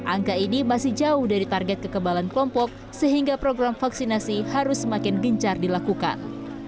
angka ini masih jauh dari target kekebalan kelompok sehingga program vaksinasi harus semakin gencar dilakukan